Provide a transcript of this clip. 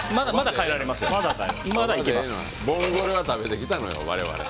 ボンゴレは食べてきたのよ。